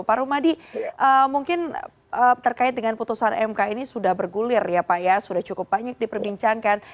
pak rumadi mungkin terkait dengan putusan mk ini sudah bergulir ya pak ya sudah cukup banyak diperbincangkan